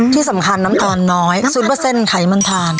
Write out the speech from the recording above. ที่สำคัญน้ำตาลน้อย๐ไขมันทาน